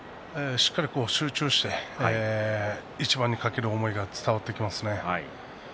しっかり集中して一番に懸ける思いが伝わってきます。